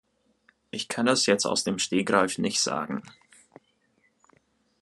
Ich kann das jetzt aus dem Stegreif nicht sagen.